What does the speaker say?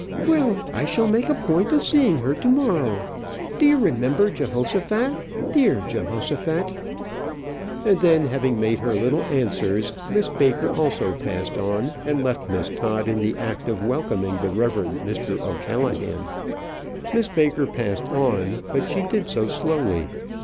"Well, I shall make a point of seeing her to morrow. Do you remember Jehoshaphat, dear Jehoshaphat?" And then having made her little answers, Miss Baker also passed on, and left Miss Todd in the act of welcoming the Rev. Mr. O'Callaghan. Miss Baker passed on, but she did so slowly.